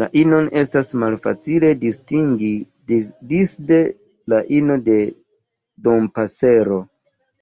La inon estas malfacile distingi disde la ino de Dompasero.